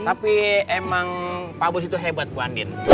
tapi emang pak bos itu hebat bu andin